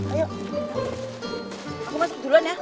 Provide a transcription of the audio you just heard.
ayo aku masuk duluan ya